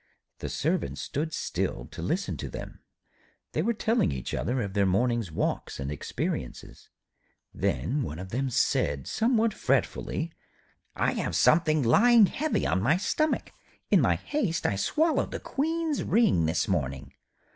The Servant stood still to listen to them. They were telling each other of their morning's walks and experiences. Then one of them said somewhat fretfully: 'I have something lying heavy on my stomach. In my haste I swallowed the Queen's ring this morning.'